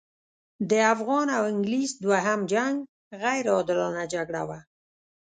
د افغان او انګلیس دوهم جنګ غیر عادلانه جګړه وه.